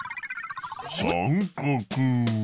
さんかく。